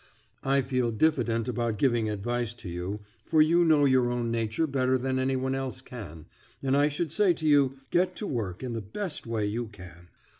I feel diffident about giving advice to you, for you know your own nature better than any one else can, but I should say to you, get to work in the best way you can.